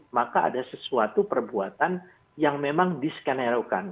maka ada sesuatu perbuatan yang memang diskenariokan